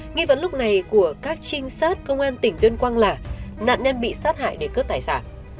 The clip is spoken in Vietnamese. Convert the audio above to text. nghi vấn lúc này của các trinh sát công an tỉnh tuyên quang là nạn nhân bị sát hại để cướp tài sản